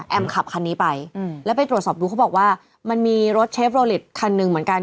ขับคันนี้ไปแล้วไปตรวจสอบดูเขาบอกว่ามันมีรถเชฟโรลิตคันหนึ่งเหมือนกัน